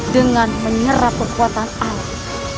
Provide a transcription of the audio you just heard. dengan menyerap kekuatan alam